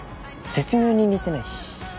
絶妙に似てないし。